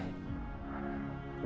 sampai akhirnya keisha jadi korban